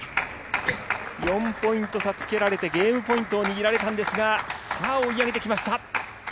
４ポイント差つけられて、ゲームポイントを握られたんですが、さあ、追い上げてきました。